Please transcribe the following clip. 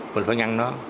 mình phải ngăn nó